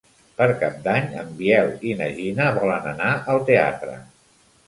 Per Cap d'Any en Biel i na Gina volen anar al teatre.